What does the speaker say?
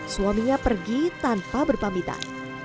suaminya pergi tanpa berpamitan